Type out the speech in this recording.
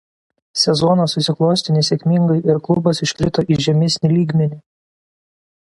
Sezonas susiklostė nesėkmingai ir klubas iškrito į žemesnį lygmenį.